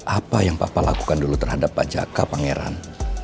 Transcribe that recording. apa yang papa lakukan dulu terhadap pak jaka pangeran